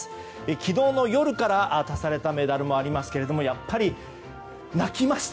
昨日の夜から足されたメダルもありますけれども泣きました、